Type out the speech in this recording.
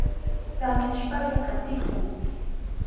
Tamyashpalla katihun.